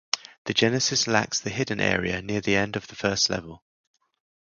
The Genesis lacks the hidden area near the end of the first level.